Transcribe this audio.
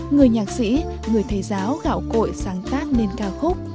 người nhạc sĩ người thầy giáo gạo cội sáng tác nên ca khúc